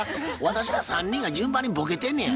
私ら３人が順番にボケてんねや。